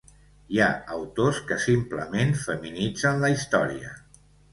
Hi ha autors que simplement feminitzen la història.